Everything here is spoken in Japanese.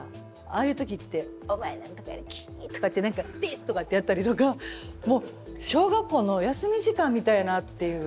ああいう時ってお前何とかやでキッとかって何かベッとかってやったりとかもう小学校の休み時間みたいなっていう。